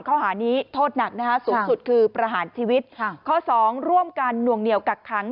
ข้อหานี้โทษหนักนะฮะสูงสุดคือประหารชีวิตค่ะข้อสองร่วมกันหน่วงเหนียวกักขัง